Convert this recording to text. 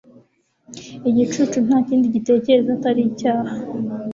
igicucu nta kindi gitekereza atari icyaha